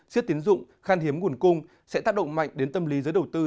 siết tiến dụng khan hiếm nguồn cung sẽ tác động mạnh đến tâm lý giới đầu tư